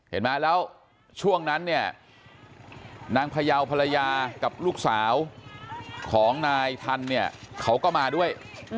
เห็นไหมแล้วช่วงนั้นเนี่ยนางพยาวภรรยากับลูกสาวของนายทันเนี่ยเขาก็มาด้วย